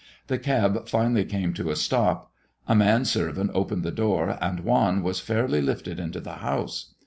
The cab finally came to a stop. A man servant opened the door, and Juan was fairly lifted into the house.